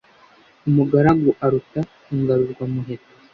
Umugaragu aruta ingaruzwa muheto.